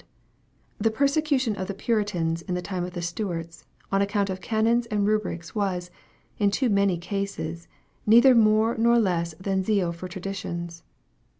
It provokes * The persecution of the Puritans in the time of the Stuarts, on account of canons and rubrics was, in too many cases, neither more nor less than zeal for traditions.